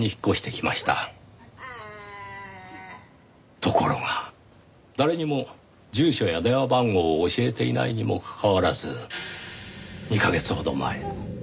ところが誰にも住所や電話番号を教えていないにもかかわらず２カ月ほど前。